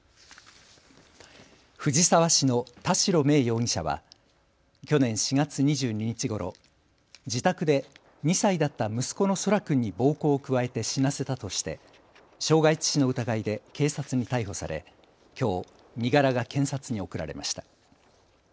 藤沢市の田代芽衣容疑者は去年４月２２日ごろ、自宅で２歳だった息子の空来君に暴行を加えて死なせたとして傷害致死の疑いで警察に逮捕されきょう身柄が検察に送られました。